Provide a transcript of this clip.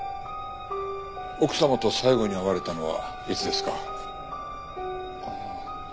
奥様と最後に会われたのはいつですか？